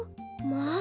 まあ！